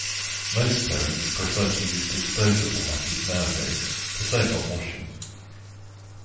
Most parents prefer to use disposable nappies nowadays, to save on washing